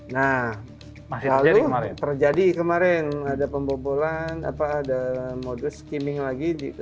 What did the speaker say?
nah lalu terjadi kemarin ada pembobolan ada modus skimming lagi